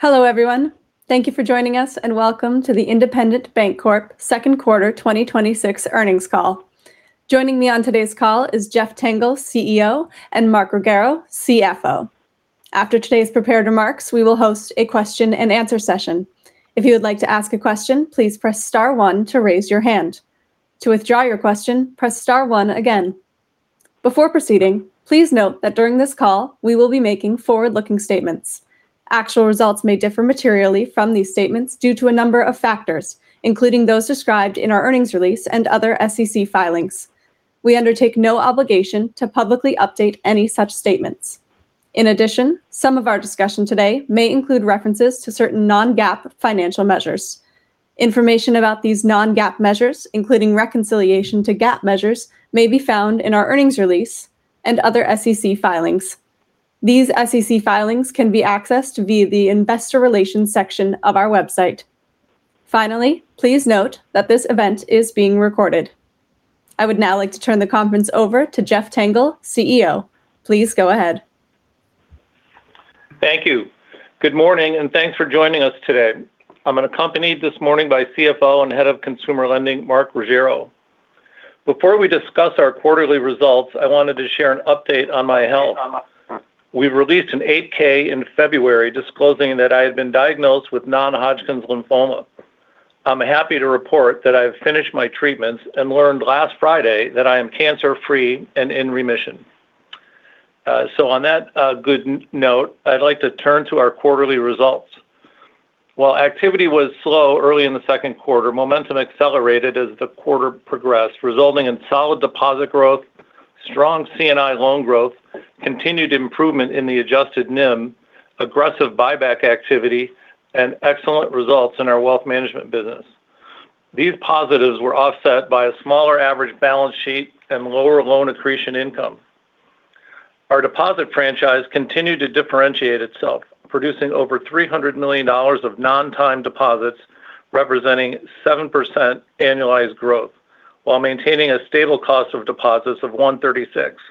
Hello, everyone. Thank you for joining us, and welcome to the Independent Bank Corp Second Quarter 2026 Earnings Call. Joining me on today's call is Jeff Tengel, CEO, and Mark Ruggiero, CFO. After today's prepared remarks, we will host a question and answer session. If you would like to ask a question, please press star one to raise your hand. To withdraw your question, press star one again. Before proceeding, please note that during this call, we will be making forward-looking statements. Actual results may differ materially from these statements due to a number of factors, including those described in our earnings release and other SEC filings. We undertake no obligation to publicly update any such statements. In addition, some of our discussion today may include references to certain non-GAAP financial measures. Information about these non-GAAP measures, including reconciliation to GAAP measures, may be found in our earnings release and other SEC filings. These SEC filings can be accessed via the investor relations section of our website. Finally, please note that this event is being recorded. I would now like to turn the conference over to Jeff Tengel, CEO. Please go ahead. Thank you. Good morning, thanks for joining us today. I'm accompanied this morning by CFO and head of consumer lending, Mark Ruggiero. Before we discuss our quarterly results, I wanted to share an update on my health. We released an 8-K in February disclosing that I had been diagnosed with non-Hodgkin's lymphoma. I'm happy to report that I've finished my treatments and learned last Friday that I am cancer-free and in remission. On that good note, I'd like to turn to our quarterly results. While activity was slow early in the second quarter, momentum accelerated as the quarter progressed, resulting in solid deposit growth, strong C&I loan growth, continued improvement in the adjusted NIM, aggressive buyback activity, and excellent results in our wealth management business. These positives were offset by a smaller average balance sheet and lower loan accretion income. Our deposit franchise continued to differentiate itself, producing over $300 million of non-time deposits, representing 7% annualized growth while maintaining a stable cost of deposits of 136.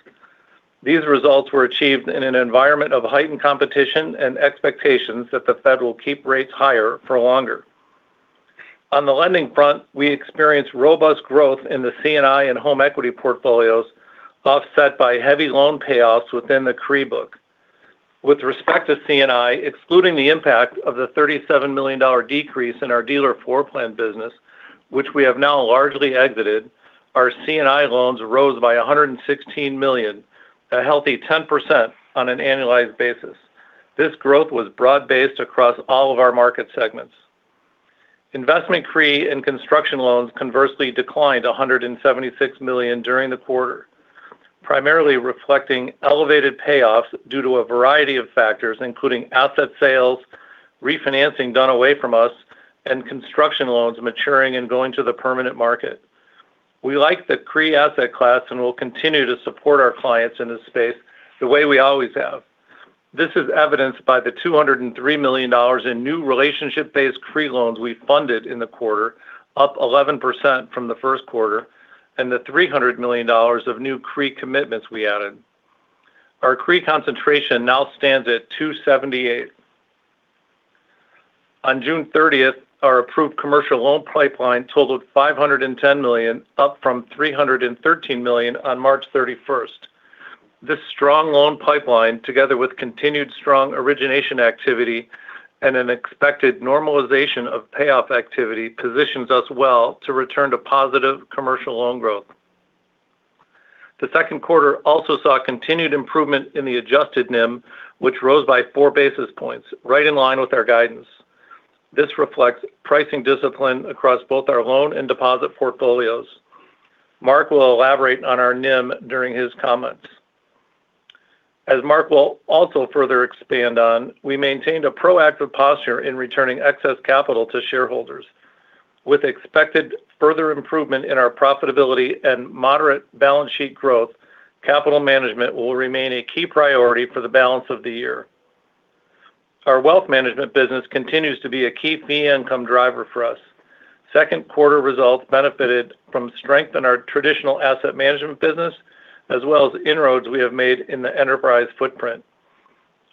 These results were achieved in an environment of heightened competition and expectations that the Fed will keep rates higher for longer. On the lending front, we experienced robust growth in the C&I and home equity portfolios, offset by heavy loan payoffs within the CRE book. With respect to C&I, excluding the impact of the $37 million decrease in our dealer floor plan business, which we have now largely exited, our C&I loans rose by $116 million, a healthy 10% on an annualized basis. This growth was broad-based across all of our market segments. Investment CRE and construction loans conversely declined to $176 million during the quarter, primarily reflecting elevated payoffs due to a variety of factors, including asset sales, refinancing done away from us, and construction loans maturing and going to the permanent market. We like the CRE asset class and will continue to support our clients in this space the way we always have. This is evidenced by the $203 million in new relationship-based CRE loans we funded in the quarter, up 11% from the first quarter, and the $300 million of new CRE commitments we added. Our CRE concentration now stands at 278. On June 30th, our approved commercial loan pipeline totaled $510 million, up from $313 million on March 31st. This strong loan pipeline, together with continued strong origination activity and an expected normalization of payoff activity, positions us well to return to positive commercial loan growth. The second quarter also saw continued improvement in the adjusted NIM, which rose by four basis points, right in line with our guidance. This reflects pricing discipline across both our loan and deposit portfolios. Mark will elaborate on our NIM during his comments. As Mark will also further expand on, we maintained a proactive posture in returning excess capital to shareholders. With expected further improvement in our profitability and moderate balance sheet growth, capital management will remain a key priority for the balance of the year. Our wealth management business continues to be a key fee income driver for us. Second quarter results benefited from strength in our traditional asset management business, as well as inroads we have made in the Enterprise footprint.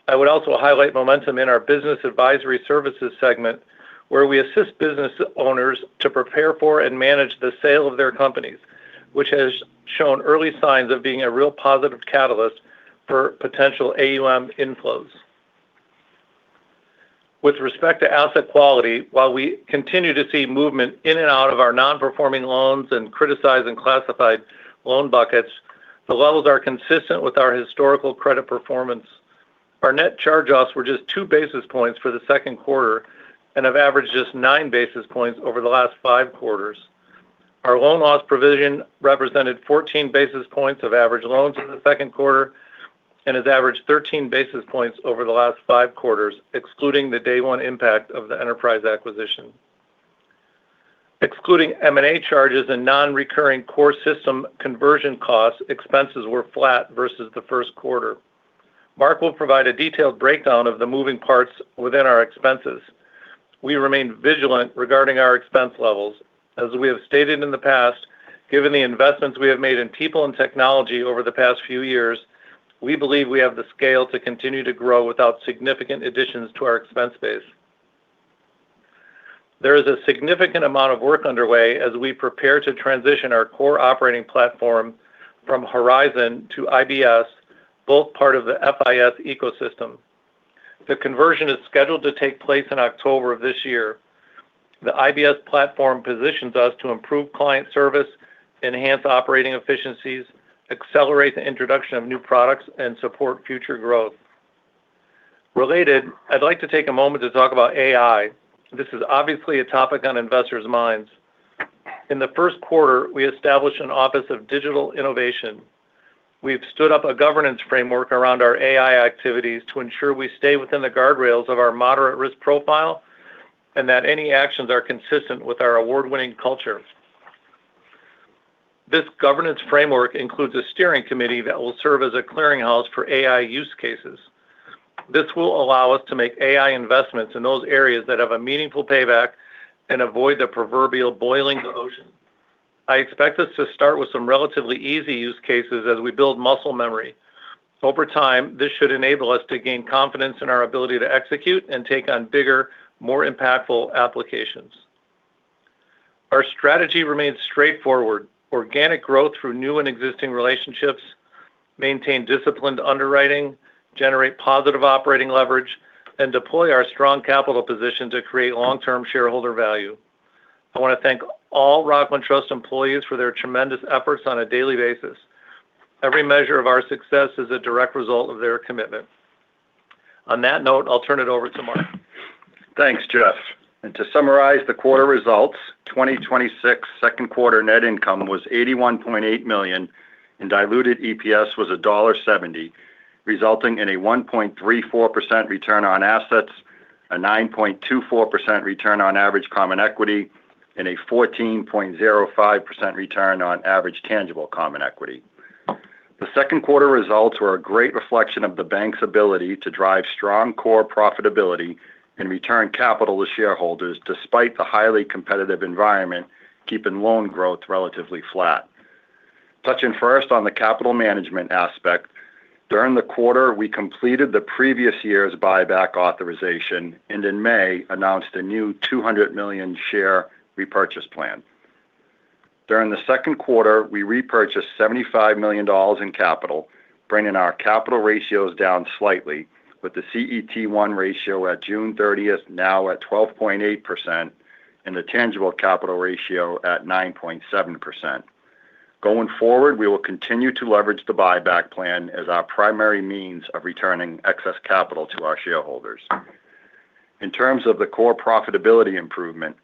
I would also highlight momentum in our business advisory services segment, where we assist business owners to prepare for and manage the sale of their companies, which has shown early signs of being a real positive catalyst for potential AUM inflows. With respect to asset quality, while we continue to see movement in and out of our non-performing loans and criticized and classified loan buckets, the levels are consistent with our historical credit performance. Our net charge-offs were just two basis points for the second quarter and have averaged just nine basis points over the last five quarters. Our loan loss provision represented 14 basis points of average loans in the second quarter and has averaged 13 basis points over the last five quarters, excluding the day one impact of the Enterprise acquisition. Excluding M&A charges and non-recurring core system conversion costs, expenses were flat versus the first quarter. Mark will provide a detailed breakdown of the moving parts within our expenses. We remain vigilant regarding our expense levels. As we have stated in the past, given the investments we have made in people and technology over the past few years, we believe we have the scale to continue to grow without significant additions to our expense base. There is a significant amount of work underway as we prepare to transition our core operating platform from HORIZON to IBS, both part of the FIS ecosystem. The conversion is scheduled to take place in October of this year. The IBS platform positions us to improve client service, enhance operating efficiencies, accelerate the introduction of new products, and support future growth. Related, I'd like to take a moment to talk about AI. This is obviously a topic on investors' minds. In the first quarter, we established an Office of Digital Innovation. We've stood up a governance framework around our AI activities to ensure we stay within the guardrails of our moderate risk profile and that any actions are consistent with our award-winning culture. This governance framework includes a steering committee that will serve as a clearinghouse for AI use cases. This will allow us to make AI investments in those areas that have a meaningful payback and avoid the proverbial boiling the ocean. I expect us to start with some relatively easy use cases as we build muscle memory. Over time, this should enable us to gain confidence in our ability to execute and take on bigger, more impactful applications. Our strategy remains straightforward. Organic growth through new and existing relationships, maintain disciplined underwriting, generate positive operating leverage, and deploy our strong capital position to create long-term shareholder value. I want to thank all Rockland Trust employees for their tremendous efforts on a daily basis. Every measure of our success is a direct result of their commitment. On that note, I'll turn it over to Mark. Thanks, Jeff. To summarize the quarter results, 2026 second quarter net income was $81.8 million, and diluted EPS was $1.70, resulting in a 1.34% return on assets, a 9.24% return on average common equity, and a 14.05% return on average tangible common equity. The second quarter results were a great reflection of the bank's ability to drive strong core profitability and return capital to shareholders, despite the highly competitive environment keeping loan growth relatively flat. Touching first on the capital management aspect, during the quarter, we completed the previous year's buyback authorization, and in May, announced a new $200 million share repurchase plan. During the second quarter, we repurchased $75 million in capital, bringing our capital ratios down slightly, with the CET1 ratio at June 30th now at 12.8% and the tangible capital ratio at 9.7%. Going forward, we will continue to leverage the buyback plan as our primary means of returning excess capital to our shareholders. In terms of the core profitability improvement,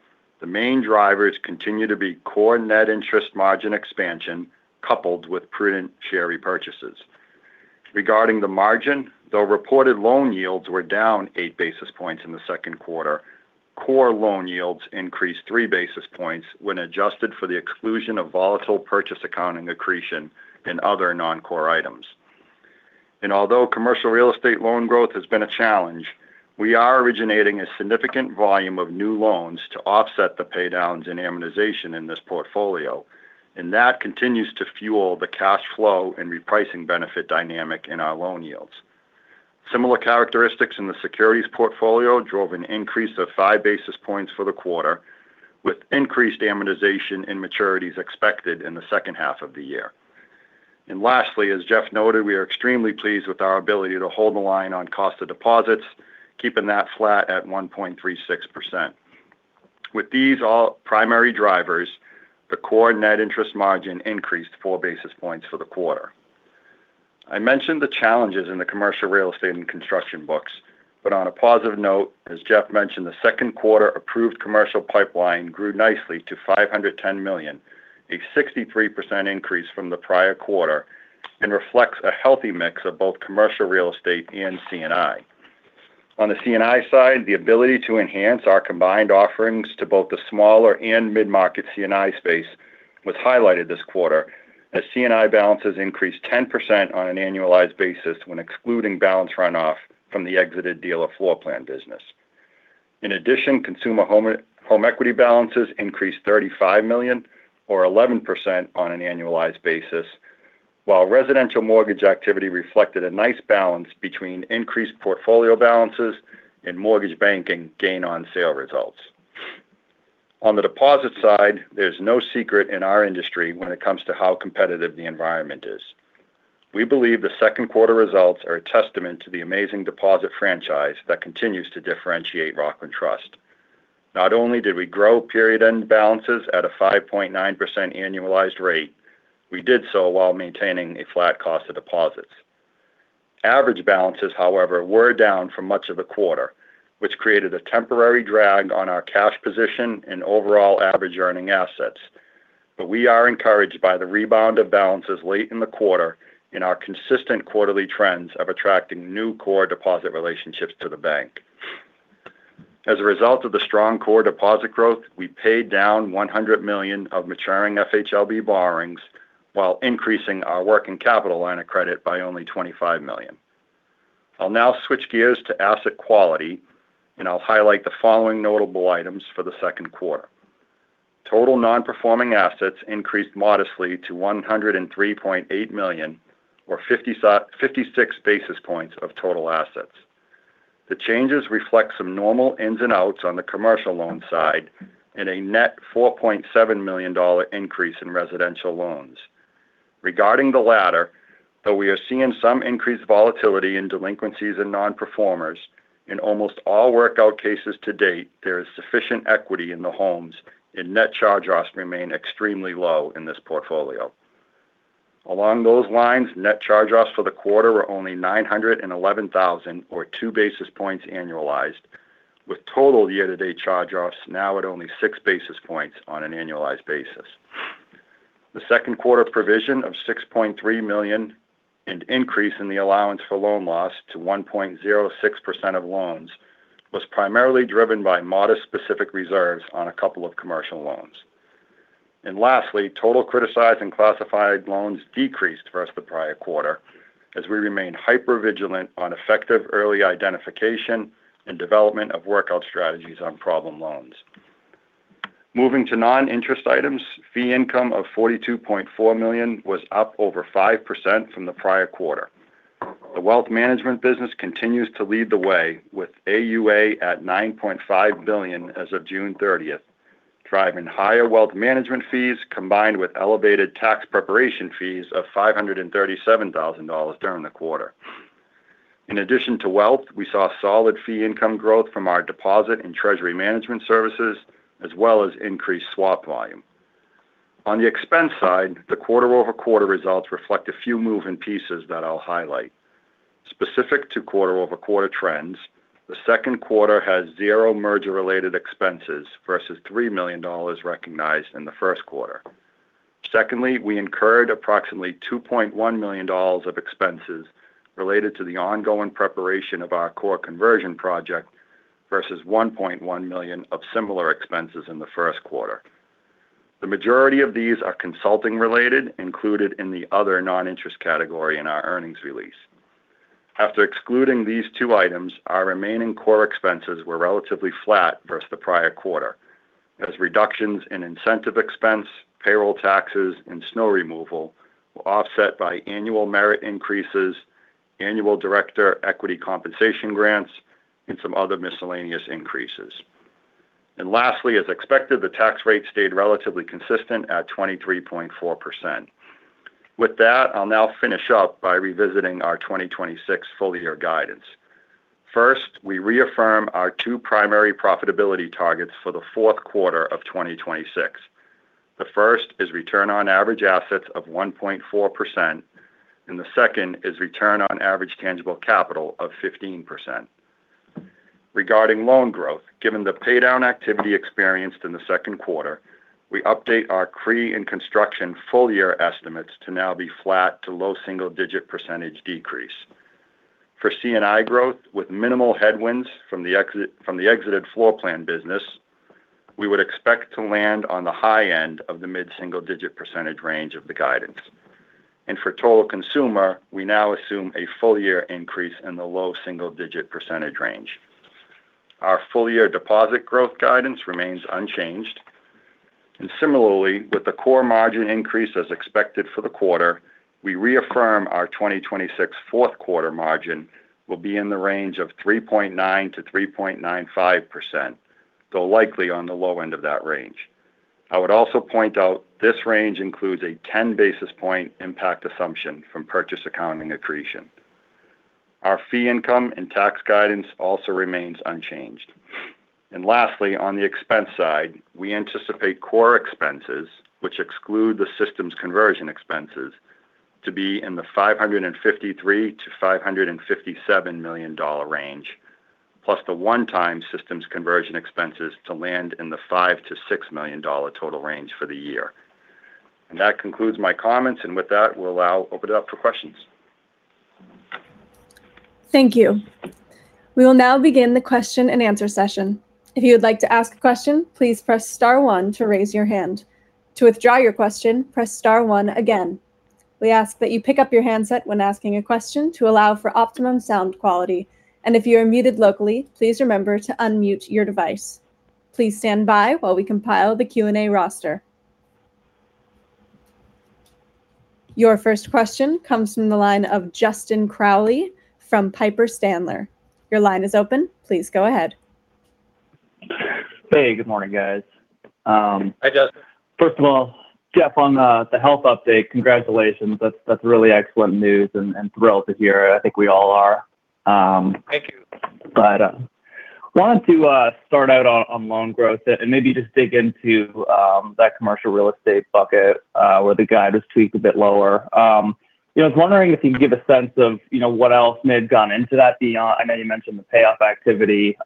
the main drivers continue to be core net interest margin expansion coupled with prudent share repurchases. Regarding the margin, though reported loan yields were down eight basis points in the second quarter, core loan yields increased three basis points when adjusted for the exclusion of volatile purchase accounting accretion and other non-core items. Although commercial real estate loan growth has been a challenge, we are originating a significant volume of new loans to offset the paydowns in amortization in this portfolio, and that continues to fuel the cash flow and repricing benefit dynamic in our loan yields. Similar characteristics in the securities portfolio drove an increase of five basis points for the quarter, with increased amortization and maturities expected in the second half of the year. Lastly, as Jeff noted, we are extremely pleased with our ability to hold the line on cost of deposits, keeping that flat at 1.36%. With these all primary drivers, the core net interest margin increased four basis points for the quarter. I mentioned the challenges in the commercial real estate and construction books, on a positive note, as Jeff mentioned, the second quarter approved commercial pipeline grew nicely to $510 million, a 63% increase from the prior quarter, and reflects a healthy mix of both commercial real estate and C&I. On the C&I side, the ability to enhance our combined offerings to both the smaller and mid-market C&I space was highlighted this quarter, as C&I balances increased 10% on an annualized basis when excluding balance runoff from the exited dealer floor plan business. In addition, consumer home equity balances increased $35 million or 11% on an annualized basis, while residential mortgage activity reflected a nice balance between increased portfolio balances and mortgage banking gain on sale results. On the deposit side, there's no secret in our industry when it comes to how competitive the environment is. We believe the second quarter results are a testament to the amazing deposit franchise that continues to differentiate Rockland Trust. Not only did we grow period end balances at a 5.9% annualized rate, we did so while maintaining a flat cost of deposits. Average balances, however, were down for much of the quarter, which created a temporary drag on our cash position and overall average earning assets. We are encouraged by the rebound of balances late in the quarter and our consistent quarterly trends of attracting new core deposit relationships to the bank. As a result of the strong core deposit growth, we paid down $100 million of maturing FHLB borrowings while increasing our working capital line of credit by only $25 million. I'll now switch gears to asset quality, I'll highlight the following notable items for the second quarter. Total Non-Performing Assets increased modestly to $103.8 million or 56 basis points of total assets. The changes reflect some normal ins and outs on the commercial loan side and a net $4.7 million increase in residential loans. Regarding the latter, though we are seeing some increased volatility in delinquencies in non-performers, in almost all workout cases to date, there is sufficient equity in the homes and net charge-offs remain extremely low in this portfolio. Along those lines, net charge-offs for the quarter were only $911,000 or two basis points annualized, with total year-to-date charge-offs now at only six basis points on an annualized basis. The second quarter provision of $6.3 million, an increase in the allowance for loan loss to 1.06% of loans was primarily driven by modest specific reserves on a couple of commercial loans. Lastly, total criticized and classified loans decreased versus the prior quarter, as we remain hypervigilant on effective early identification and development of workout strategies on problem loans. Moving to non-interest items, fee income of $42.4 million was up over 5% from the prior quarter. The wealth management business continues to lead the way with AUA at $9.5 billion as of June 30th, driving higher wealth management fees combined with elevated tax preparation fees of $537,000 during the quarter. In addition to wealth, we saw solid fee income growth from our deposit and treasury management services, as well as increased swap volume. On the expense side, the quarter-over-quarter results reflect a few moving pieces that I'll highlight. Specific to quarter-over-quarter trends, the second quarter has zero merger-related expenses versus $3 million recognized in the first quarter. We incurred approximately $2.1 million of expenses related to the ongoing preparation of our core conversion project, versus $1.1 million of similar expenses in the first quarter. The majority of these are consulting related, included in the other non-interest category in our earnings release. After excluding these two items, our remaining core expenses were relatively flat versus the prior quarter, as reductions in incentive expense, payroll taxes, and snow removal were offset by annual merit increases, annual director equity compensation grants, and some other miscellaneous increases. Lastly, as expected, the tax rate stayed relatively consistent at 23.4%. With that, I'll now finish up by revisiting our 2026 full-year guidance. First, we reaffirm our two primary profitability targets for the fourth quarter of 2026. The first is return on average assets of 1.4%, and the second is return on average tangible capital of 15%. Regarding loan growth, given the paydown activity experienced in the second quarter, we update our CRE and construction full-year estimates to now be flat to low single-digit percentage decrease. For C&I growth, with minimal headwinds from the exited floor plan business, we would expect to land on the high end of the mid-single digit percentage range of the guidance. For total consumer, we now assume a full-year increase in the low single-digit percentage range. Our full-year deposit growth guidance remains unchanged. Similarly, with the core margin increase as expected for the quarter, we reaffirm our 2026 fourth quarter margin will be in the range of 3.9%-3.95%, though likely on the low end of that range. I would also point out this range includes a 10-basis point impact assumption from purchase accounting accretion. Our fee income and tax guidance also remains unchanged. Lastly, on the expense side, we anticipate core expenses, which exclude the systems conversion expenses, to be in the $553 million-$557 million range, plus the one-time systems conversion expenses to land in the $5 million-$6 million total range for the year. That concludes my comments. With that, we'll now open it up for questions. Thank you. We will now begin the question and answer session. If you would like to ask a question, please press star one to raise your hand. To withdraw your question, press star one again. We ask that you pick up your handset when asking a question to allow for optimum sound quality. If you are muted locally, please remember to unmute your device. Please stand by while we compile the Q&A roster. Your first question comes from the line of Justin Crowley from Piper Sandler. Your line is open. Please go ahead. Hey, good morning, guys. Hi, Justin. First of all, Jeff, on the health update, congratulations. That's really excellent news and thrilled to hear it. I think we all are. Thank you. Wanted to start out on loan growth and maybe just dig into that commercial real estate bucket where the guide was tweaked a bit lower. I was wondering if you could give a sense of what else may have gone into that beyond, I know you mentioned the payoff activity.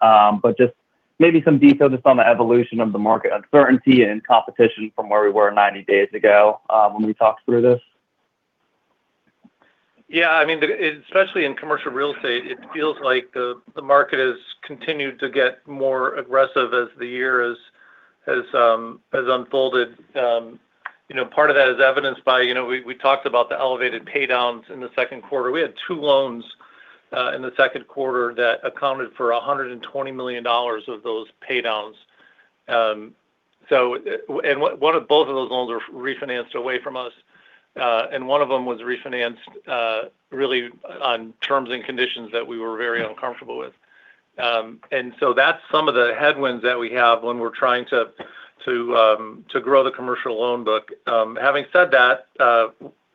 Just maybe some details just on the evolution of the market uncertainty and competition from where we were 90 days ago when we talked through this. Yeah. Especially in commercial real estate, it feels like the market has continued to get more aggressive as the year has unfolded. Part of that is evidenced by, we talked about the elevated pay-downs in the second quarter. We had two loans in the second quarter that accounted for $120 million of those pay-downs. Both of those loans are refinanced away from us, and one of them was refinanced really on terms and conditions that we were very uncomfortable with. So that's some of the headwinds that we have when we're trying to grow the commercial loan book. Having said that,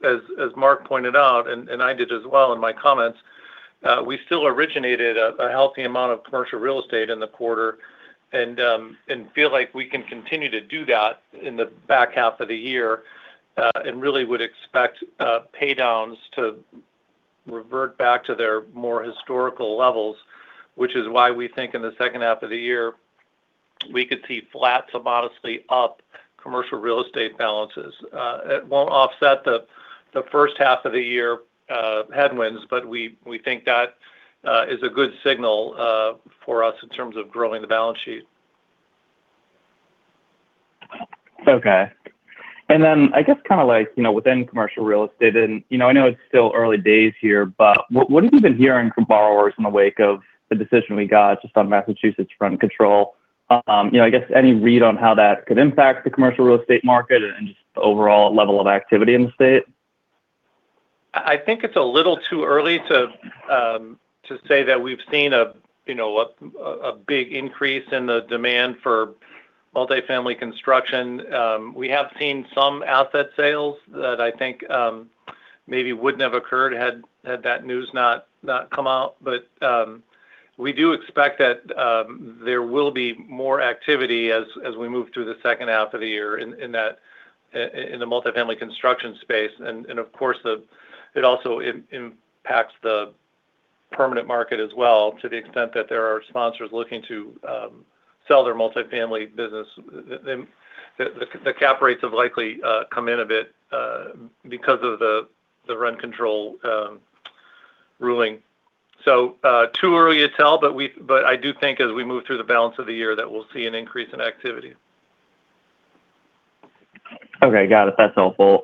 as Mark pointed out, and I did as well in my comments, we still originated a healthy amount of commercial real estate in the quarter and feel like we can continue to do that in the back half of the year, and really would expect pay-downs to revert back to their more historical levels, which is why we think in the second half of the year, we could see flat to modestly up commercial real estate balances. It won't offset the first half of the year headwinds, we think that is a good signal for us in terms of growing the balance sheet. Okay. I guess kind of within commercial real estate, I know it's still early days here, what have you been hearing from borrowers in the wake of the decision we got just on Massachusetts rent control? I guess any read on how that could impact the commercial real estate market and just the overall level of activity in the state? I think it's a little too early to say that we've seen a big increase in the demand for multifamily construction. We have seen some asset sales that I think maybe wouldn't have occurred had that news not come out. We do expect that there will be more activity as we move through the second half of the year in the multifamily construction space. Of course, it also impacts the permanent market as well to the extent that there are sponsors looking to sell their multifamily business. The cap rates have likely come in a bit because of the rent control ruling. Too early to tell, but I do think as we move through the balance of the year that we'll see an increase in activity. Okay. Got it. That's helpful.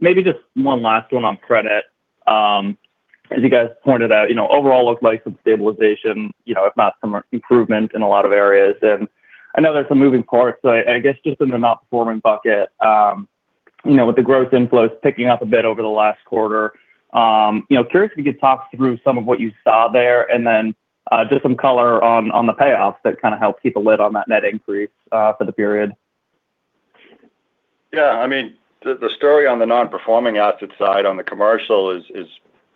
Maybe just one last one on credit. As you guys pointed out, overall looked like some stabilization, if not some improvement in a lot of areas. I know there's some moving parts, I guess just in the non-performing bucket, with the gross inflows picking up a bit over the last quarter, curious if you could talk through some of what you saw there and then just some color on the payoffs that kind of helped keep a lid on that net increase for the period. Yeah. The story on the Non-Performing Assets side on the commercial is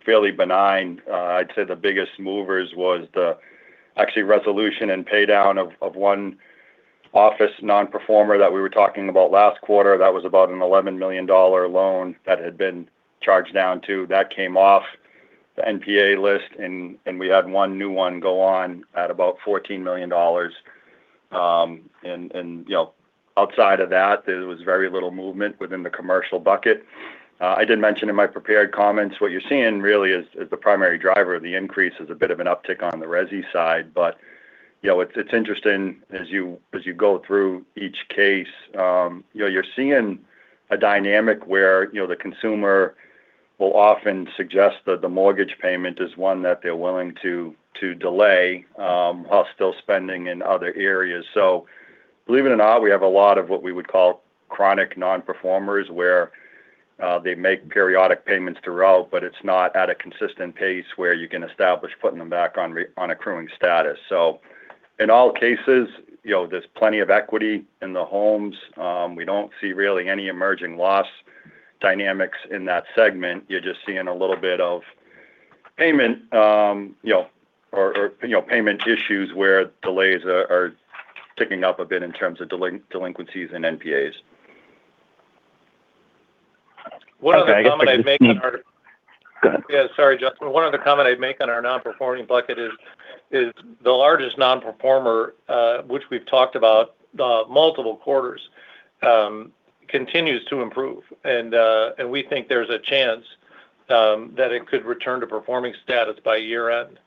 fairly benign. I'd say the biggest movers was the actual resolution and pay-down of one office non-performer that we were talking about last quarter. That was about an $11 million loan that had been charged down to. That came off the NPA list, we had one new one go on at about $14 million. Outside of that, there was very little movement within the commercial bucket. I did mention in my prepared comments, what you're seeing really as the primary driver of the increase is a bit of an uptick on the resi side. It's interesting as you go through each case. You're seeing a dynamic where the consumer will often suggest that the mortgage payment is one that they're willing to delay while still spending in other areas. Believe it or not, we have a lot of what we would call chronic non-performers, where they make periodic payments throughout, but it's not at a consistent pace where you can establish putting them back on accruing status. In all cases, there's plenty of equity in the homes. We don't see really any emerging loss dynamics in that segment. You're just seeing a little bit of payment issues where delays are ticking up a bit in terms of delinquencies and NPAs. Okay. One other comment I'd make on our- Go ahead. Sorry, Justin. One other comment I'd make on our non-performing bucket is the largest non-performer, which we've talked about multiple quarters, continues to improve. We think there's a chance that it could return to performing status by year-end.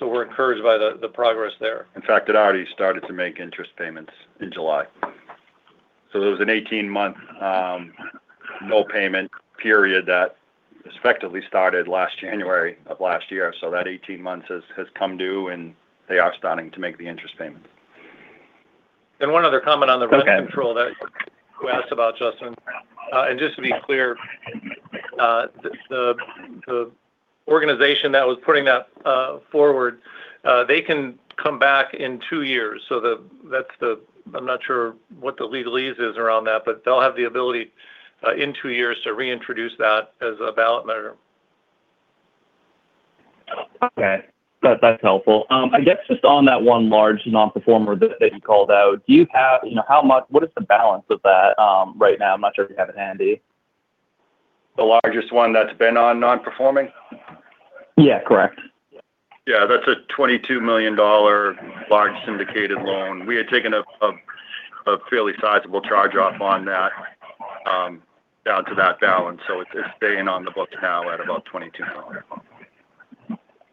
We're encouraged by the progress there. In fact, it already started to make interest payments in July. There was an 18-month no payment period that effectively started January of last year. That 18 months has come due, they are starting to make the interest payments. One other comment on the rent control. Okay That you asked about, Justin. Just to be clear, the organization that was putting that forward, they can come back in two years. I'm not sure what the legalese is around that, they'll have the ability in two years to reintroduce that as a ballot measure. Okay. That's helpful. I guess just on that one large non-performer that you called out, what is the balance of that right now? I'm not sure if you have it handy. The largest one that's been on non-performing? Yeah, correct. Yeah, that's a $22 million large syndicated loan. We had taken a fairly sizable charge-off on that down to that balance. It's staying on the books now at about $22 million.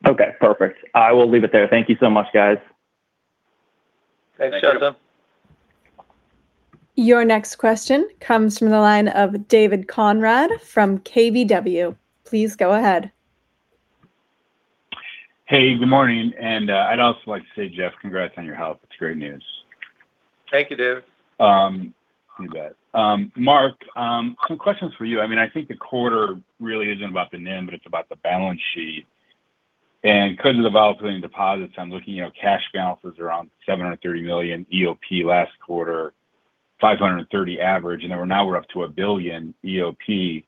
Okay, perfect. I will leave it there. Thank you so much, guys. Thanks, Justin Crowley. Your next question comes from the line of David Konrad from KBW. Please go ahead. Hey, good morning. I'd also like to say, Jeff, congrats on your health. It's great news. Thank you, Dave. You bet. Mark, some questions for you. I think the quarter really isn't about the NIM, but it's about the balance sheet. Because of the volatility in deposits, I'm looking at cash balances around $730 million EOP last quarter, $530 average. Now we're up to $1 billion EOP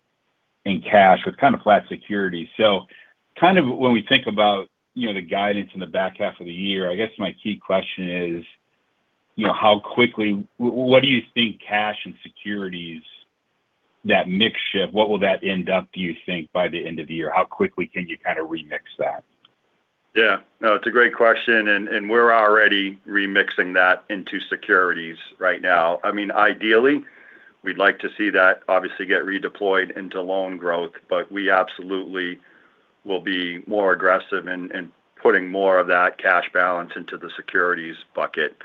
in cash with kind of flat securities. When we think about the guidance in the back half of the year, I guess my key question is, what do you think cash and securities, that mix shift, what will that end up, do you think, by the end of the year? How quickly can you kind of remix that? Yeah. No, it's a great question. We're already remixing that into securities right now. Ideally, we'd like to see that obviously get redeployed into loan growth. We absolutely will be more aggressive in putting more of that cash balance into the securities bucket.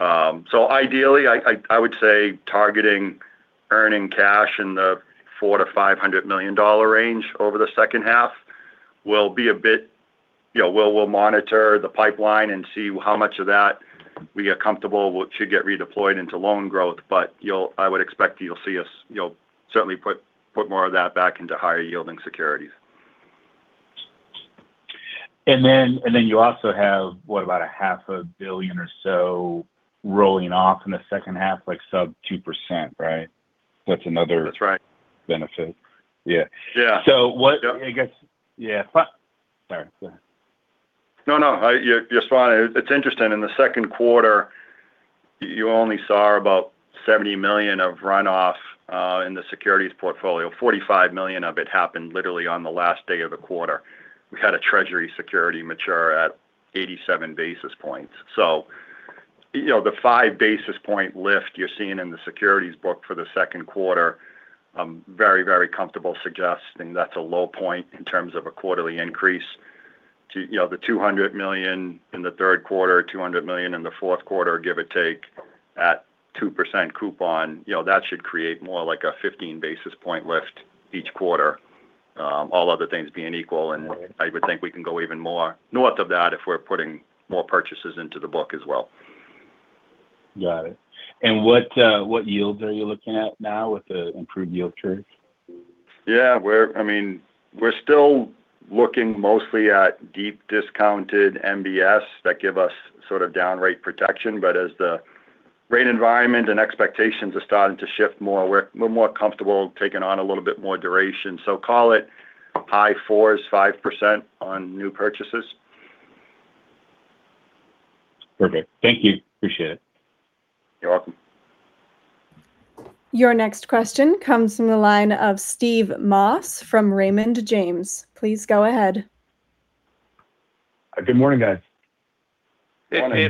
Ideally, I would say targeting earning cash in the $400 million-$500 million range over the second half. We'll monitor the pipeline and see how much of that we get comfortable with to get redeployed into loan growth. I would expect you'll see us certainly put more of that back into higher-yielding securities. You also have, what, about a half a billion or so rolling off in the second half, like sub 2%, right? That's another- That's right. Benefit. Yeah. Yeah. Sorry, go ahead. No, you're fine. It's interesting. In the second quarter, you only saw about $70 million of runoff in the securities portfolio. $45 million of it happened literally on the last day of the quarter. We had a treasury security mature at 87 basis points. The five basis point lift you're seeing in the securities book for the second quarter, I'm very, very comfortable suggesting that's a low point in terms of a quarterly increase to the $200 million in the third quarter, $200 million in the fourth quarter, give or take, at 2% coupon. That should create more like a 15 basis point lift each quarter, all other things being equal. I would think we can go even more north of that if we're putting more purchases into the book as well. Got it. What yields are you looking at now with the improved yield trends? We're still looking mostly at deep discounted MBS that give us sort of down rate protection, as the rate environment and expectations are starting to shift more, we're more comfortable taking on a little bit more duration. Call it high fours, 5% on new purchases. Perfect. Thank you. Appreciate it. You're welcome. Your next question comes from the line of Steve Moss from Raymond James. Please go ahead. Good morning, guys. Hey,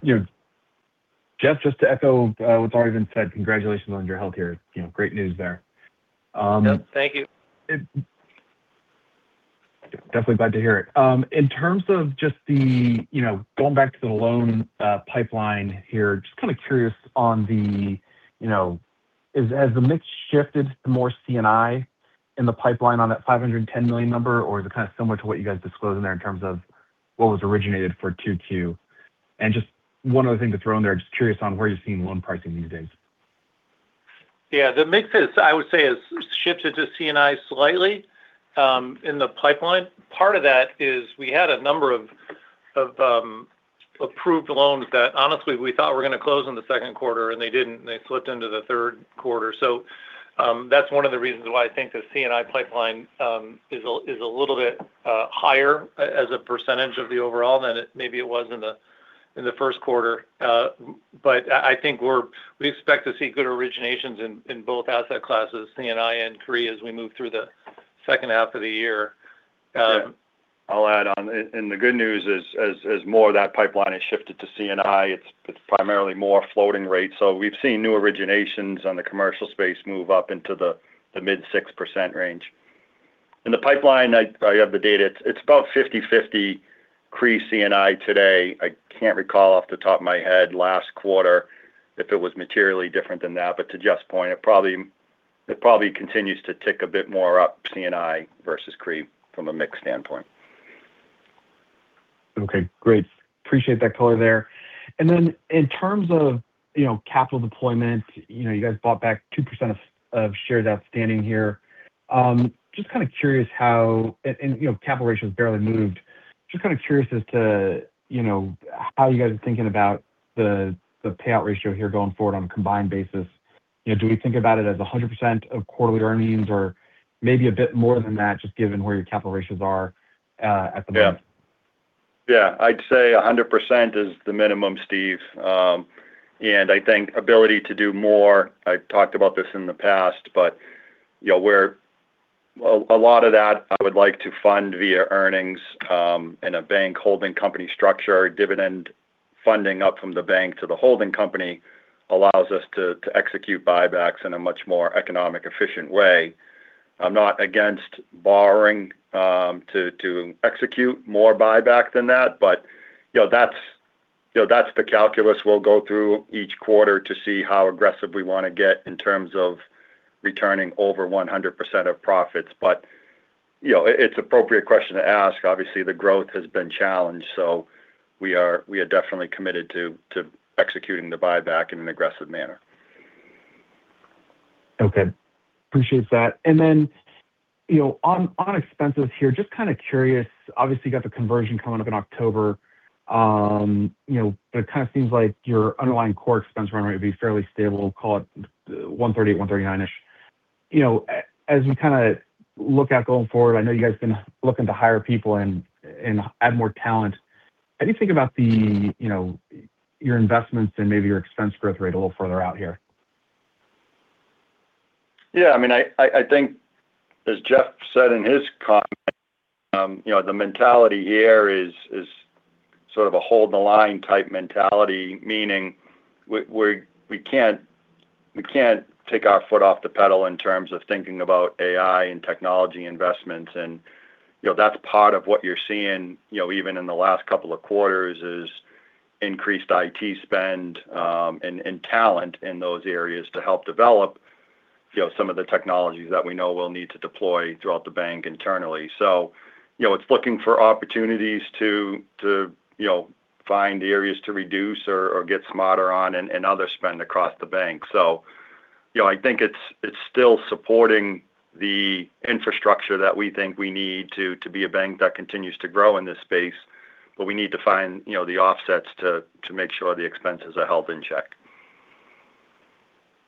Steve. Jeff, just to echo what's already been said, congratulations on your health here. Great news there. Yep. Thank you. Definitely glad to hear it. In terms of just going back to the loan pipeline here, just kind of curious, has the mix shifted to more C&I in the pipeline on that $510 million number, or is it kind of similar to what you guys disclose in there in terms of what was originated for 2Q? Just one other thing to throw in there, just curious on where you're seeing loan pricing these days. Yeah. The mix is, I would say, has shifted to C&I slightly in the pipeline. Part of that is we had a number of approved loans that honestly we thought were going to close in the second quarter, and they didn't. They slipped into the third quarter. That's one of the reasons why I think the C&I pipeline is a little bit higher as a percentage of the overall than maybe it was in the first quarter. I think we expect to see good originations in both asset classes, C&I and CRE, as we move through the second half of the year. I'll add on. The good news is, as more of that pipeline has shifted to C&I, it's primarily more floating rates. We've seen new originations on the commercial space move up into the mid 6% range. In the pipeline, I have the data, it's about 50/50 CRE C&I today. I can't recall off the top of my head last quarter if it was materially different than that. To Jeff's point, it probably continues to tick a bit more up C&I versus CRE from a mix standpoint. Okay, great. Appreciate that color there. In terms of capital deployment, you guys bought back 2% of shares outstanding here. Capital ratio has barely moved. Just kind of curious as to how you guys are thinking about the payout ratio here going forward on a combined basis. Do we think about it as 100% of quarterly earnings or maybe a bit more than that, just given where your capital ratios are at the moment? Yeah. I'd say 100% is the minimum, Steve. I think ability to do more. I've talked about this in the past. A lot of that I would like to fund via earnings in a bank holding company structure. Dividend funding up from the bank to the holding company allows us to execute buybacks in a much more economic, efficient way. I'm not against borrowing to execute more buyback than that. That's the calculus we'll go through each quarter to see how aggressive we want to get in terms of returning over 100% of profits. It's an appropriate question to ask. Obviously, the growth has been challenged. We are definitely committed to executing the buyback in an aggressive manner. Okay. Appreciate that. On expenses here, just curious. Obviously, you got the conversion coming up in October. It seems like your underlying core expense run rate would be fairly stable, call it $138, $139-ish. As we look at going forward, I know you guys have been looking to hire people and add more talent. How do you think about your investments and maybe your expense growth rate a little further out here? Yeah. I think as Jeff said in his comments, the mentality here is a hold the line type mentality, meaning we can't take our foot off the pedal in terms of thinking about AI and technology investments. That's part of what you're seeing, even in the last couple of quarters, is increased IT spend and talent in those areas to help develop some of the technologies that we know we'll need to deploy throughout the bank internally. It's looking for opportunities to find areas to reduce or get smarter on and other spend across the bank. I think it's still supporting the infrastructure that we think we need to be a bank that continues to grow in this space. We need to find the offsets to make sure the expenses are held in check.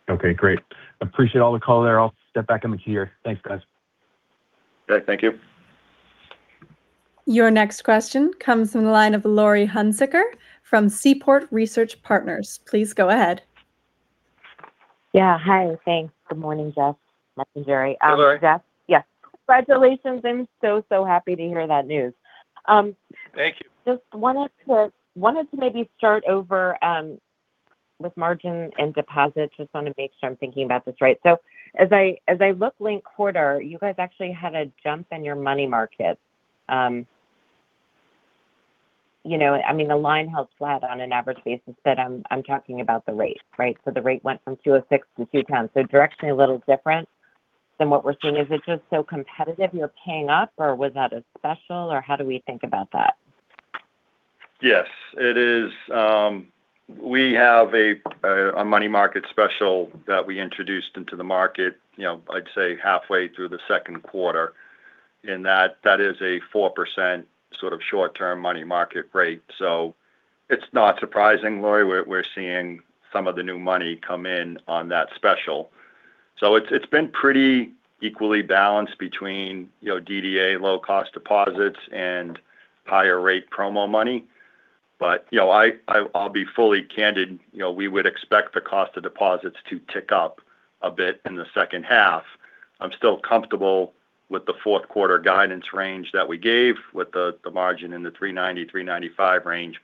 Okay, great. Appreciate all the color there. I'll step back in the queue. Thanks, guys. Okay, thank you. Your next question comes from the line of Laurie Hunsicker from Seaport Research Partners. Please go ahead. Yeah. Hi, thanks. Good morning, Jeff, Mark and Jerry. Hi, Laurie. Jeff? Yes. Congratulations, I'm so happy to hear that news. Thank you. Just wanted to maybe start over with margin and deposits, just want to make sure I'm thinking about this right. As I look linked quarter, you guys actually had a jump in your money market. The line held flat on an average basis, but I'm talking about the rate, right? The rate went from 206 to 210. Directionally a little different than what we're seeing. Is it just so competitive you're paying up, or was that a special, or how do we think about that? Yes. We have a money market special that we introduced into the market, I'd say halfway through the second quarter. That is a 4% short-term money market rate. It's not surprising, Laurie. We're seeing some of the new money come in on that special. It's been pretty equally balanced between DDA low-cost deposits and higher rate promo money. I'll be fully candid, we would expect the cost of deposits to tick up a bit in the second half. I'm still comfortable with the fourth quarter guidance range that we gave with the margin in the 390, 395 range.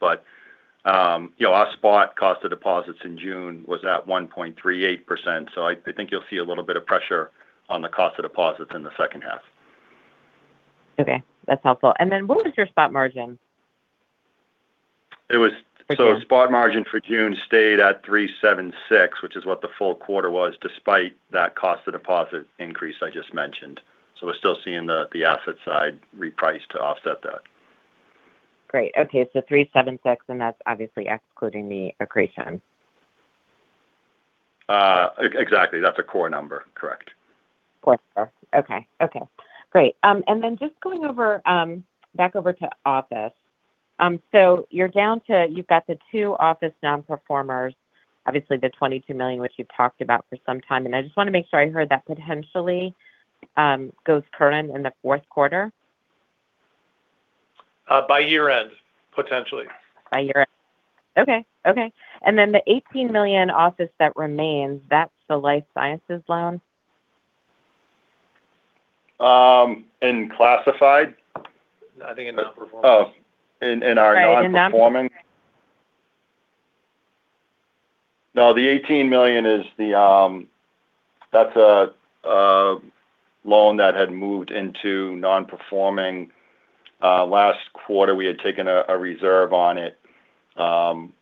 Our spot cost of deposits in June was at 1.38%. I think you'll see a little bit of pressure on the cost of deposits in the second half. Okay. That's helpful. What was your spot margin? Spot margin for June stayed at 376, which is what the full quarter was, despite that cost of deposit increase I just mentioned. We're still seeing the asset side reprice to offset that. Great. Okay. 376, and that's obviously excluding the accretion. Exactly. That's a core number. Correct. Core. Okay. Great. Just going back over to office. You've got the two office non-performers, obviously the $22 million, which you've talked about for some time, I just want to make sure I heard that potentially goes current in the fourth quarter? By year-end, potentially. By year-end. Okay. The $18 million office that remains, that's the life sciences loan? In classified? I think in non-performance. Oh, in our non-performing? Sorry, in non-performing. No, the $18 million, that's a loan that had moved into non-performing. Last quarter, we had taken a reserve on it.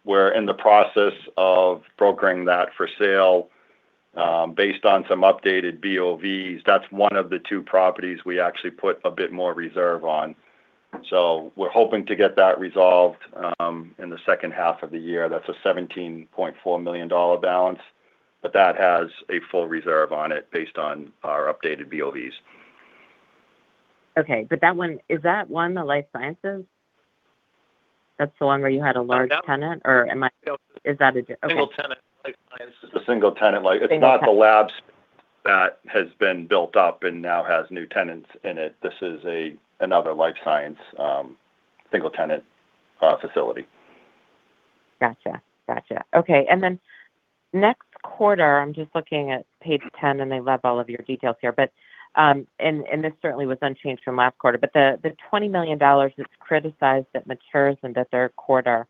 We're in the process of brokering that for sale based on some updated BOVs. That's one of the two properties we actually put a bit more reserve on. We're hoping to get that resolved in the second half of the year. That's a $17.4 million balance, but that has a full reserve on it based on our updated BOVs. Okay. Is that one the life sciences? That's the one where you had a large tenant? No. Is that a different- Single tenant. Life science is the single tenant. It's not the labs that has been built up and now has new tenants in it. This is another life science single-tenant facility. Got you. Okay. Next quarter, I'm just looking at page 10, and I love all of your details here. This certainly was unchanged from last quarter, but the $20 million that's criticized that matures in the third quarter,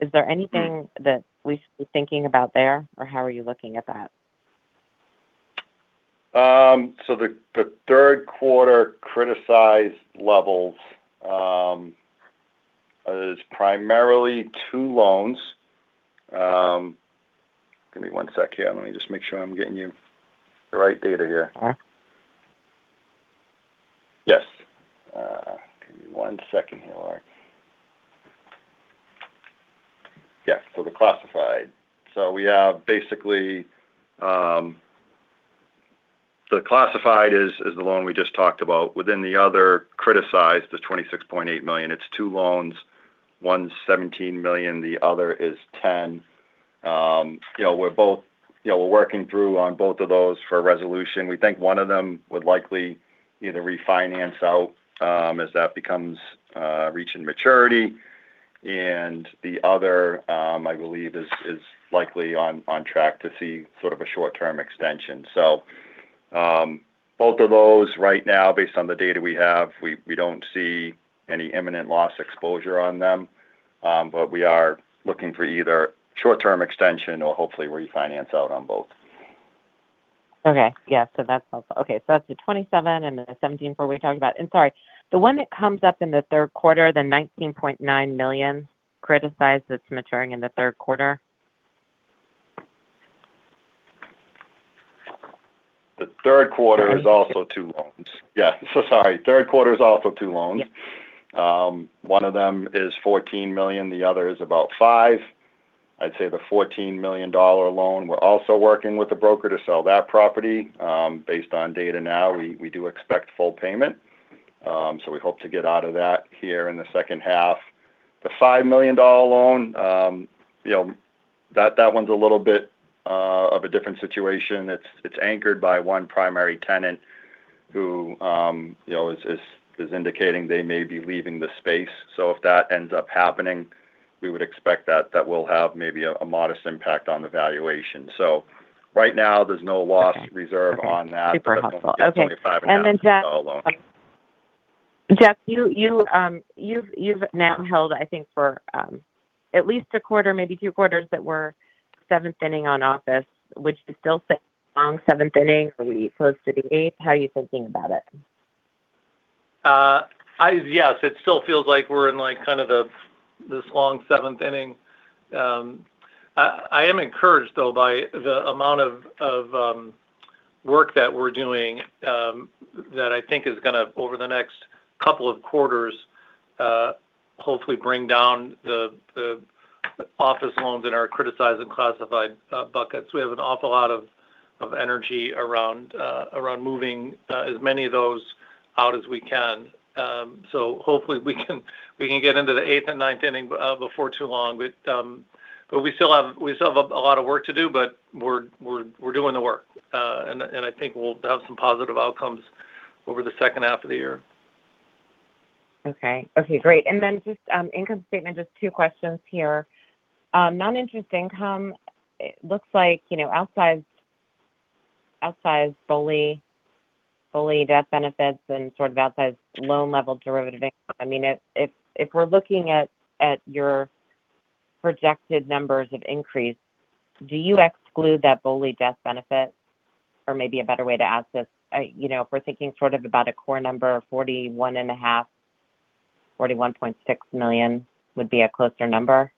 is there anything that we should be thinking about there? Or how are you looking at that? The third quarter criticized levels, is primarily two loans. Give me one sec here. Let me just make sure I'm getting you the right data here. Okay. Yes. Give me one second here, Laurie Hunsicker. The classified. We have basically, the classified is the loan we just talked about. Within the other criticized, the $26.8 million, it's two loans. One's $17 million, the other is $10. We're working through on both of those for a resolution. We think one of them would likely either refinance out as that becomes reaching maturity. The other, I believe, is likely on track to see sort of a short-term extension. Both of those right now, based on the data we have, we don't see any imminent loss exposure on them. We are looking for either short-term extension or hopefully refinance out on both. Okay. That's the $27 and the $17.4 we were talking about. Sorry, the one that comes up in the third quarter, the $19.9 million criticized that's maturing in the third quarter? The third quarter is also two loans. Yeah. Sorry. The third quarter is also two loans. One of them is $14 million, the other is about $5 million. I'd say the $14 million loan, we are also working with the broker to sell that property. Based on data now, we do expect full payment. We hope to get out of that here in the second half. The $5 million loan, that one is a little bit of a different situation. It is anchored by one primary tenant who is indicating they may be leaving the space. If that ends up happening, we would expect that that will have maybe a modest impact on the valuation. Right now, there is no loss reserve on that. Super helpful. Okay. Hopefully we get $25 and a half on that loan. Jeff, you have now held, I think for at least a quarter, maybe two quarters that we are seventh inning on office, which still seems a long seventh inning. Are we close to the eighth? How are you thinking about it? Yes, it still feels like we're in this long seventh inning. I am encouraged though by the amount of work that we're doing, that I think is going to, over the next couple of quarters, hopefully bring down the office loans that are criticized and classified buckets. We have an awful lot of energy around moving as many of those out as we can. Hopefully we can get into the eighth and ninth inning before too long. We still have a lot of work to do, but we're doing the work. I think we'll have some positive outcomes over the second half of the year. Okay. Great. Just income statement, just two questions here. Non-interest income, it looks like outside BOLI death benefits and sort of outside loan level derivative income. If we're looking at your projected numbers of increase, do you exclude that BOLI death benefit? Or maybe a better way to ask this, if we're thinking sort of about a core number of $41.5 million, $41.6 million would be a closer number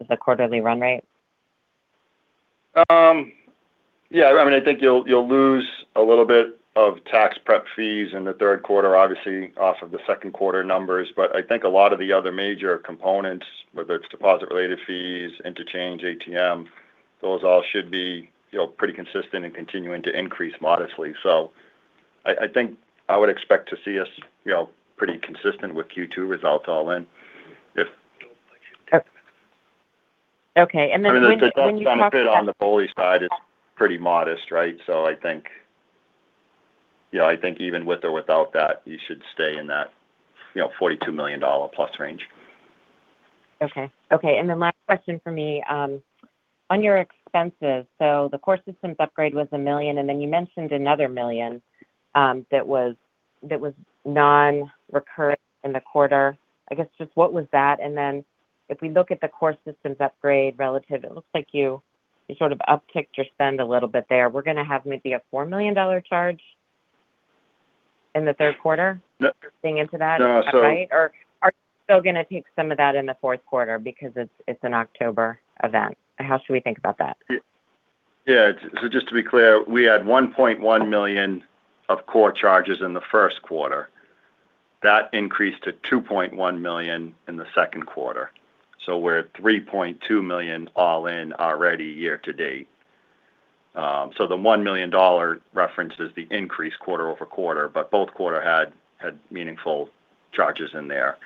as a quarterly run rate? Yeah. I think you'll lose a little bit of tax prep fees in the third quarter, obviously, off of the second quarter numbers. I think a lot of the other major components, whether it's deposit-related fees, interchange, ATM, those all should be pretty consistent and continuing to increase modestly. I think I would expect to see us pretty consistent with Q2 results all in. Okay. When you talk about The death benefit on the BOLI side is pretty modest, right? I think even with or without that, you should stay in that $42 million-plus range. Okay. Last question from me. On your expenses, the core systems upgrade was $1 million, and you mentioned another $1 million that was non-recurring in the quarter. I guess just what was that? If we look at the core systems upgrade relative, it looks like you sort of upticked your spend a little bit there. We're going to have maybe a $4 million charge in the third quarter? No. Pricing into that, is that right? No. Are you still going to take some of that in the fourth quarter because it's an October event? How should we think about that? Yeah. Just to be clear, we had $1.1 million of core charges in the first quarter. That increased to $2.1 million in the second quarter. We're at $3.2 million all in already year-to-date. The $1 million reference is the increase quarter-over-quarter, but both quarter had meaningful charges in there.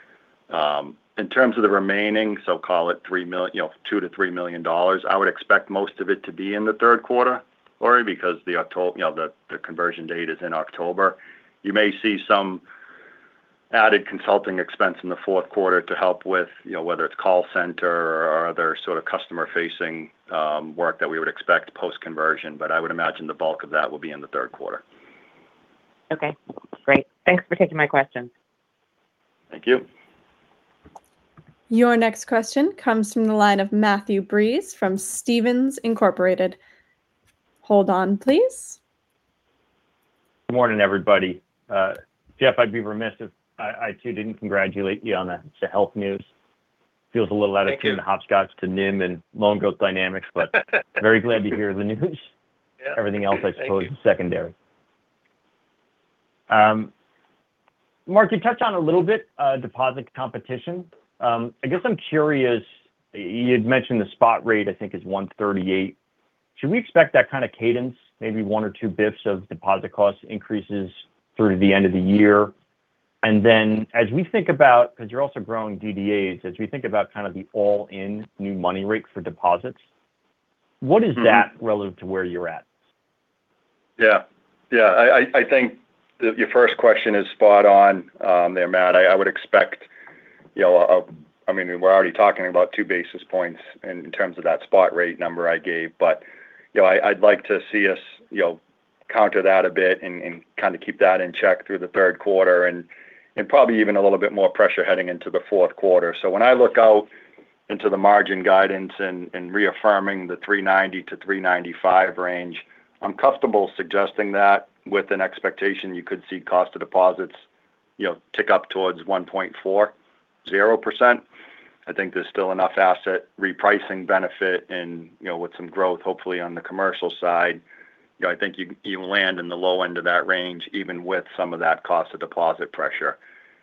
In terms of the remaining, call it $2 million-$3 million, I would expect most of it to be in the third quarter, Laurie, because the conversion date is in October. You may see some Added consulting expense in the fourth quarter to help with, whether it's call center or other sort of customer-facing work that we would expect post-conversion, but I would imagine the bulk of that will be in the third quarter. Okay, great. Thanks for taking my question. Thank you. Your next question comes from the line of Matthew Breese from Stephens Inc. Hold on, please. Good morning, everybody. Jeff, I'd be remiss if I too didn't congratulate you on the health news. Thank you. Feels a little out of tune hopscotch to NIM and loan growth dynamics, very glad to hear the news. Yeah. Thank you. Everything else, I suppose, is secondary. Mark, you touched on a little bit deposit competition. I guess I'm curious, you had mentioned the spot rate, I think, is 138. Should we expect that kind of cadence, maybe one or two bips of deposit cost increases through the end of the year? As we think about, because you're also growing DDAs, as we think about kind of the all-in new money rate for deposits. What is that relative to where you're at? Yeah. I think that your first question is spot on there, Matt. I would expect We're already talking about two basis points in terms of that spot rate number I gave. I'd like to see us counter that a bit and kind of keep that in check through the third quarter, and probably even a little bit more pressure heading into the fourth quarter. When I look out into the margin guidance and reaffirming the 390-395 range, I'm comfortable suggesting that with an expectation you could see cost of deposits tick up towards 1.40%. I think there's still enough asset repricing benefit with some growth, hopefully, on the commercial side. I think you land in the low end of that range, even with some of that cost of deposit pressure.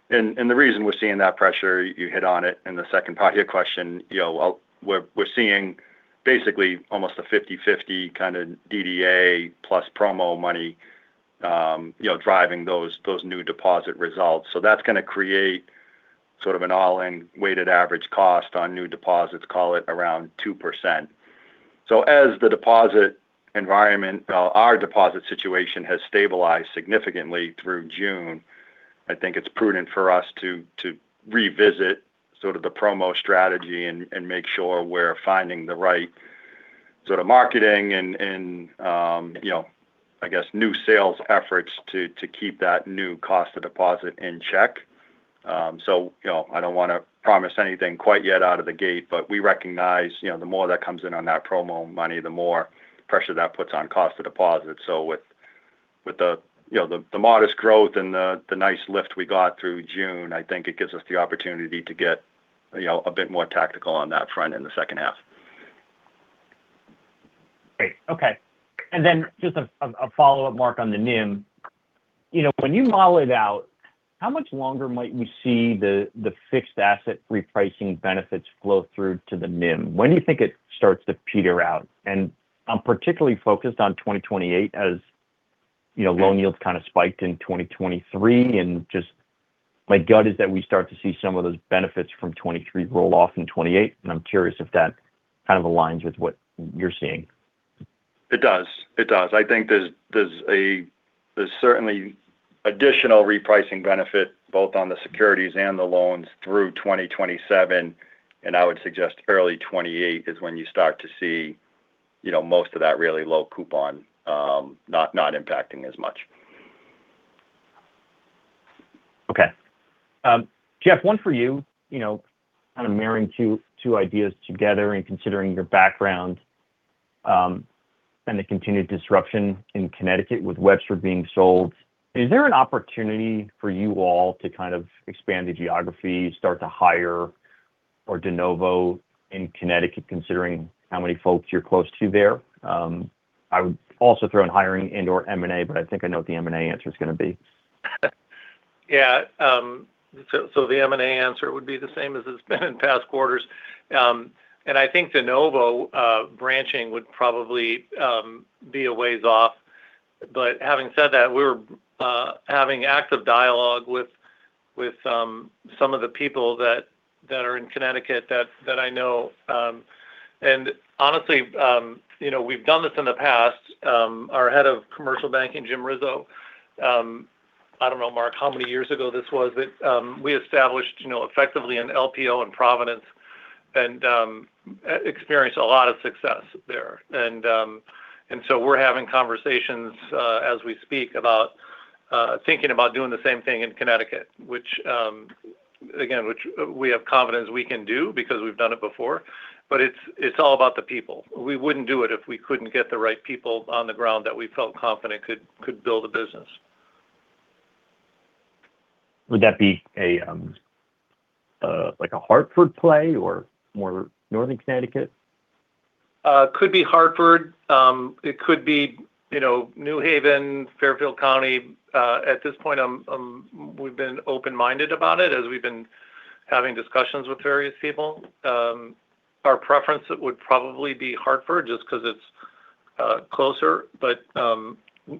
The reason we're seeing that pressure, you hit on it in the second part of your question. We're seeing basically almost a 50/50 kind of DDA plus promo money driving those new deposit results. That's going to create sort of an all-in weighted average cost on new deposits, call it around 2%. As the deposit environment, well, our deposit situation has stabilized significantly through June, I think it's prudent for us to revisit the promo strategy and make sure we're finding the right sort of marketing and I guess new sales efforts to keep that new cost of deposit in check. I don't want to promise anything quite yet out of the gate, but we recognize the more that comes in on that promo money, the more pressure that puts on cost of deposit. With the modest growth and the nice lift we got through June, I think it gives us the opportunity to get a bit more tactical on that front in the second half. Great. Okay. Just a follow-up, Mark, on the NIM. When you model it out, how much longer might we see the fixed asset repricing benefits flow through to the NIM? When do you think it starts to peter out? I'm particularly focused on 2028, as loan yields kind of spiked in 2023 and just my gut is that we start to see some of those benefits from 2023 roll off in 2028. I'm curious if that kind of aligns with what you're seeing. It does. I think there's certainly additional repricing benefit both on the securities and the loans through 2027, I would suggest early 2028 is when you start to see most of that really low coupon not impacting as much. Okay. Jeff, one for you. Kind of marrying two ideas together and considering your background and the continued disruption in Connecticut with Webster being sold, is there an opportunity for you all to kind of expand the geography, start to hire or de novo in Connecticut, considering how many folks you're close to there? I would also throw in hiring and/or M&A, but I think I know what the M&A answer is going to be. The M&A answer would be the same as it's been in past quarters. I think de novo branching would probably be a ways off. Having said that, we're having active dialogue with some of the people that are in Connecticut that I know. Honestly, we've done this in the past. Our head of commercial banking, James Rizzo, I don't know, Mark, how many years ago this was, but we established effectively an LPO in Providence and experienced a lot of success there. We're having conversations as we speak about thinking about doing the same thing in Connecticut, which again, which we have confidence we can do because we've done it before. It's all about the people. We wouldn't do it if we couldn't get the right people on the ground that we felt confident could build a business. Would that be like a Hartford play or more northern Connecticut? Could be Hartford. It could be New Haven, Fairfield County. At this point, we've been open-minded about it as we've been having discussions with various people. Our preference, it would probably be Hartford just because it's closer, but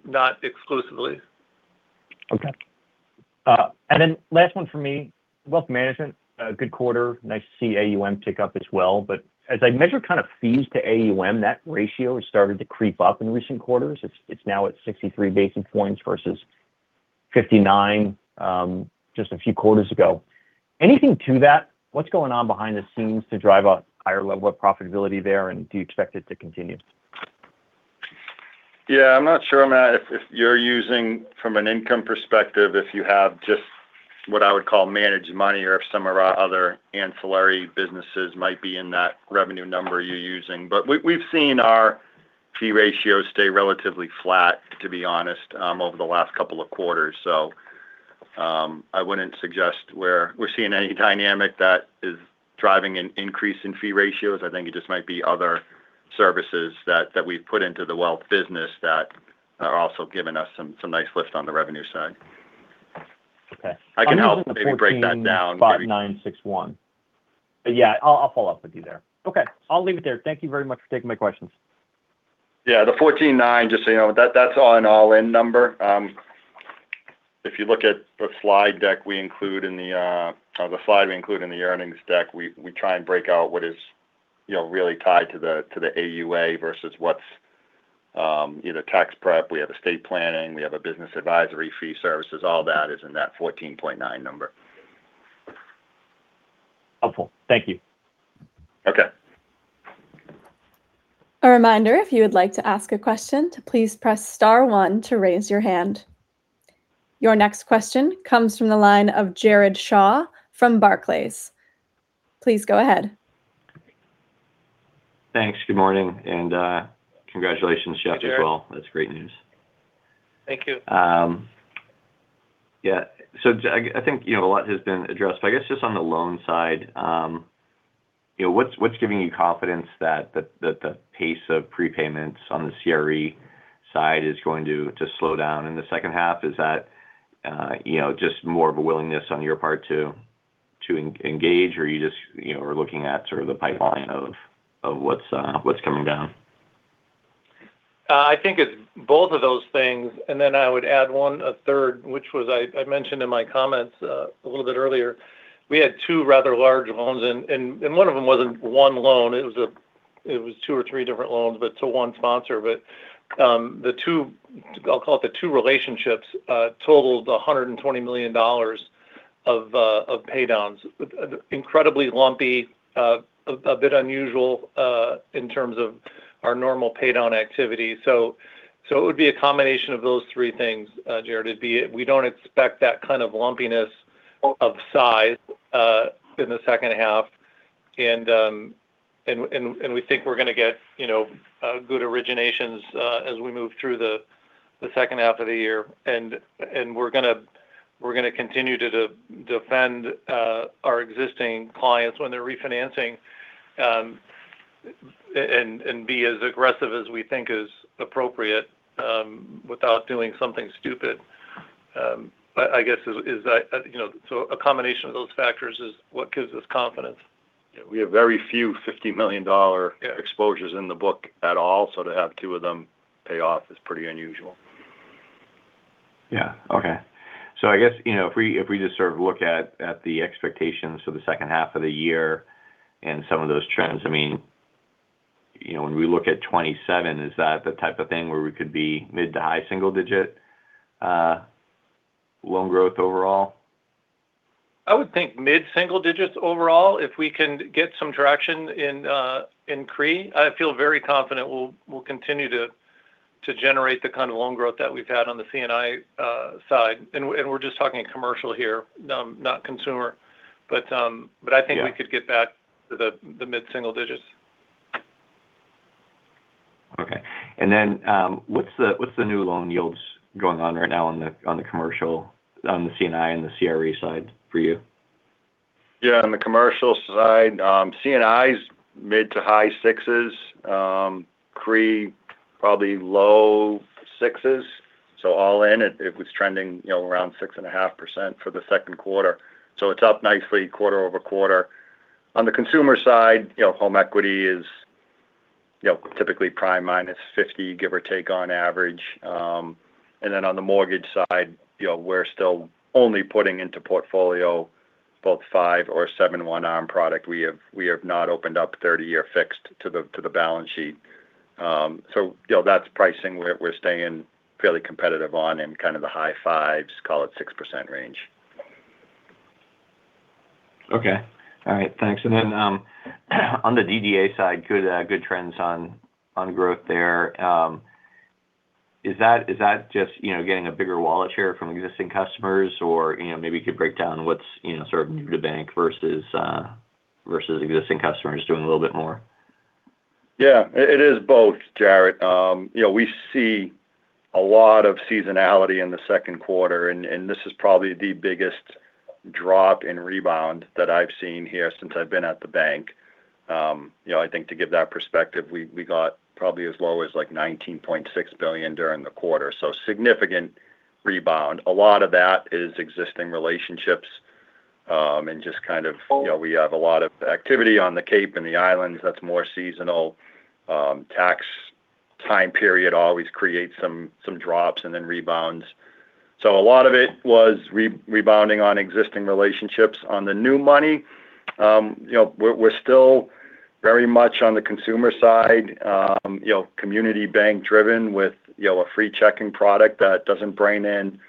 not exclusively. Last one from me. Wealth management, a good quarter. Nice to see AUM tick up as well. As I measure kind of fees to AUM, that ratio has started to creep up in recent quarters. It's now at 63 basis points versus 59 just a few quarters ago. Anything to that? What's going on behind the scenes to drive a higher level of profitability there, and do you expect it to continue? Yeah, I'm not sure, Matt, if you're using from an income perspective, if you have just what I would call managed money or if some of our other ancillary businesses might be in that revenue number you're using. We've seen our fee ratio stay relatively flat, to be honest, over the last couple of quarters. I wouldn't suggest we're seeing any dynamic that is driving an increase in fee ratios. I think it just might be other services that we've put into the wealth business that are also giving us some nice lift on the revenue side. Okay. I can help maybe break that down. I'm looking at the $14.961. Yeah, I'll follow up with you there. Okay, I'll leave it there. Thank you very much for taking my questions. Yeah, the $14.9, just so you know, that's an all-in number. If you look at the slide we include in the earnings deck, we try and break out what is really tied to the AUA versus what's either tax prep, we have estate planning, we have a business advisory fee services. All that is in that $14.9 number. Helpful. Thank you. Okay. A reminder, if you would like to ask a question, to please press star one to raise your hand. Your next question comes from the line of Jared Shaw from Barclays. Please go ahead. Thanks. Good morning, and congratulations, Jeff, as well. Hey, Jared. That's great news. Thank you. Yeah. I think a lot has been addressed. I guess just on the loans side, what's giving you confidence that the pace of prepayments on the CRE side is going to slow down in the second half? Is that just more of a willingness on your part to engage, or you just are looking at sort of the pipeline of what's coming down? I think it's both of those things, and then I would add one, a third, which was I mentioned in my comments a little bit earlier. We had two rather large loans in, and one of them wasn't one loan, it was two or three different loans, but to one sponsor. The two, I'll call it the two relationships, totaled $120 million of pay downs. Incredibly lumpy, a bit unusual in terms of our normal pay down activity. It would be a combination of those three things, Jared. We don't expect that kind of lumpiness of size in the second half. We think we're going to get good originations as we move through the second half of the year. We're going to continue to defend our existing clients when they're refinancing, and be as aggressive as we think is appropriate without doing something stupid. I guess a combination of those factors is what gives us confidence. Yeah, we have very few $50 million exposures in the book at all, so to have two of them pay off is pretty unusual. Yeah. Okay. I guess if we just sort of look at the expectations for the second half of the year and some of those trends, when we look at 2027, is that the type of thing where we could be mid to high single digit loan growth overall? I would think mid single digits overall. If we can get some traction in CRE, I feel very confident we'll continue to generate the kind of loan growth that we've had on the C&I side. We're just talking commercial here, not consumer. I think we could get back to the mid single digits. Okay. What's the new loan yields going on right now on the commercial, on the C&I, and the CRE side for you? Yeah. On the commercial side, C&I's mid to high sixes. CRE, probably low sixes. All in it was trending around 6.5% for the second quarter. It's up nicely quarter-over-quarter. On the consumer side, home equity is typically prime minus 50, give or take on average. On the mortgage side, we're still only putting into portfolio both five or seven one-arm product. We have not opened up 30-year fixed to the balance sheet. That's pricing we're staying fairly competitive on in kind of the high fives, call it 6% range. Okay. All right. Thanks. On the DDA side, good trends on growth there. Is that just getting a bigger wallet share from existing customers? Maybe you could break down what's sort of new to bank versus existing customers doing a little bit more. Yeah. It is both, Jared. We see a lot of seasonality in the second quarter, and this is probably the biggest drop in rebound that I've seen here since I've been at the bank. To give that perspective, we got probably as low as like $19.6 billion during the quarter. Significant rebound. A lot of that is existing relationships, and just kind of we have a lot of activity on the Cape and the islands that's more seasonal. Tax time period always creates some drops and then rebounds. A lot of it was rebounding on existing relationships. On the new money, we're still very much on the consumer side. Community bank driven with a free checking product that doesn't bring in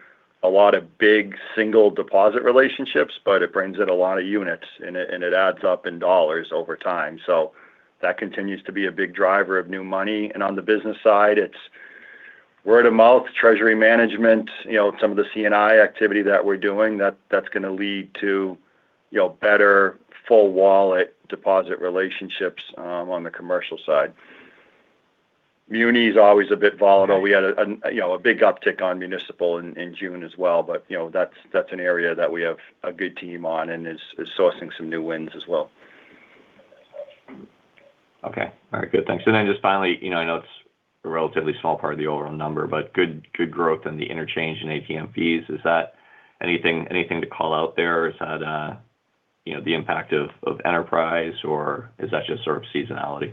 a lot of big single deposit relationships, but it brings in a lot of units, and it adds up in dollars over time. That continues to be a big driver of new money. On the business side, it's word of mouth, treasury management, some of the C&I activity that we're doing, that's going to lead to better full wallet deposit relationships on the commercial side. Muni is always a bit volatile. We had a big uptick on municipal in June as well, but that's an area that we have a good team on and is sourcing some new wins as well. Okay. All right. Good. Thanks. Just finally, I know it's a relatively small part of the overall number, but good growth in the interchange and ATM fees. Is that anything to call out there? Is that the impact of Enterprise Bancorp, or is that just sort of seasonality?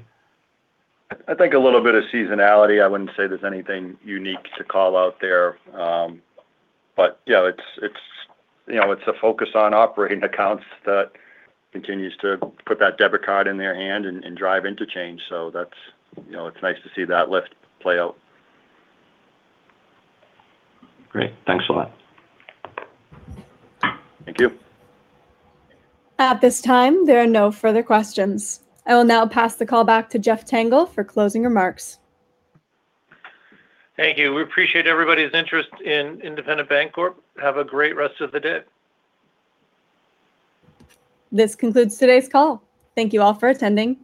I think a little bit of seasonality. I wouldn't say there's anything unique to call out there. Yeah, it's a focus on operating accounts that continues to put that debit card in their hand and drive interchange. It's nice to see that lift play out. Great. Thanks a lot. Thank you. At this time, there are no further questions. I will now pass the call back to Jeff Tengel for closing remarks. Thank you. We appreciate everybody's interest in Independent Bank Corp. Have a great rest of the day. This concludes today's call. Thank you all for attending.